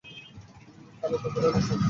কালু তবু রইল বসে।